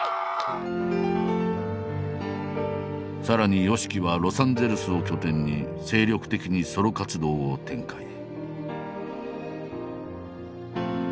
さらにＹＯＳＨＩＫＩはロサンゼルスを拠点に精力的にソロ活動を展開。